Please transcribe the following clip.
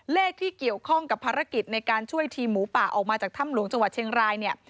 เลขที่เกี่ยวข้องกับภารกิจในการช่วยทีมหมูป่าออกมาจากถ้ำหลวงจังหวัดเชียงรายเนี่ย